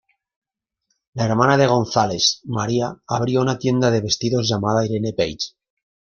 La hermana de Gonzales, Maria, abrió una tienda de vestidos llamada Irene Page.